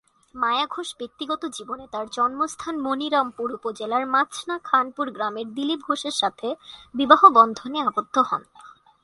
মায়া ঘোষ ব্যক্তিগত জীবনে তার জন্মস্থান মনিরামপুর উপজেলার মাছনা-খানপুর গ্রামের দিলীপ ঘোষের সাথে বিবাহ বন্ধনে আবদ্ধ হন।